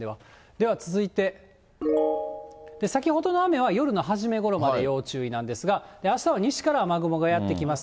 では続いて、先ほどの雨は夜の初めごろまで要注意なんですが、あしたは西から雨雲がやって来ます。